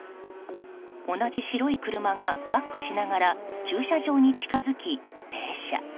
同じ白い車がバックしながら駐車場に近づき停車。